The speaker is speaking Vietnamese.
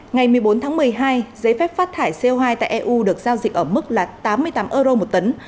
ngày một mươi bốn tháng một mươi hai giấy phép phát thải co hai tại eu được giao dịch ở mức tám mươi tám euro một tấn